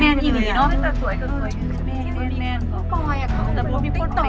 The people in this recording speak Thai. แต่พวกมีคนต่อไปขายก็ได้ขายกัน